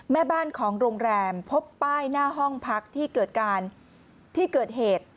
แม่บ้านของโรงแรมพบป้ายหน้าห้องพักที่เกิดเหตุ